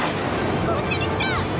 こっちに来た！